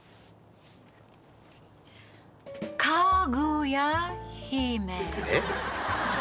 『かーぐやー姫』えっ？